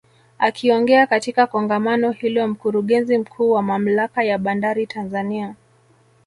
Akiongea katika Kongamano hilo Mkurugenzi Mkuu wa Mamlaka ya Bandari Tanzania